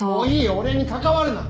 俺に関わるな！